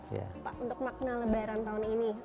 pak untuk makna lebaran tahun ini